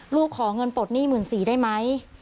ลูกขอเงินปลดหนี้หมื่น๔ได้ไหม